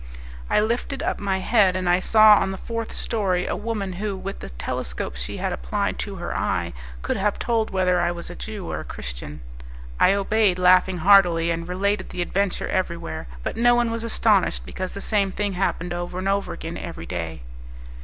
I lifted up my head, and I saw on the fourth story, a woman who, with the telescope she had applied to her eye, could have told whether I was a Jew or a Christian. I obeyed, laughing heartily, and related the adventure everywhere; but no one was astonished, because the same thing happened over and over again every day.